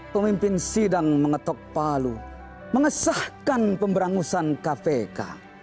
pemimpin sidang mengetok palu mengesahkan pemberangusan kpk